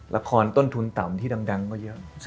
ต้นทุนต่ำที่ดังก็เยอะ